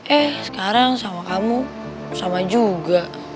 eh sekarang sama kamu sama juga